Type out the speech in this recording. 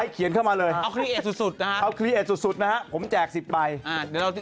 ให้เขียนเข้ามาเลยเอาคลีเอทสุดนะฮะผมแจกสิไป